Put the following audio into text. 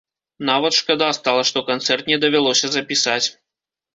Нават шкада стала, што канцэрт не давялося запісаць.